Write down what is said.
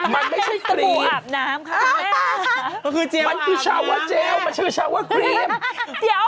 มันไม่ใช่สบู่อาบน้ำครับแม่